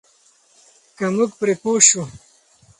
که موږ پرې پوه شو.